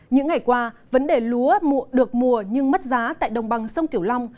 những ngày qua vấn đề lúa được mùa nhưng mất giá tại đồng bằng sông kiểu long